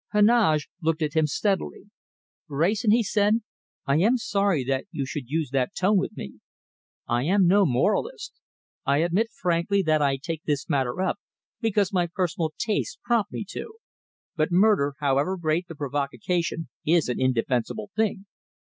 Heneage looked at him steadily. "Wrayson," he said, "I am sorry that you should use that tone with me. I am no moralist. I admit frankly that I take this matter up because my personal tastes prompt me to. But murder, however great the provocation, is an indefensible thing."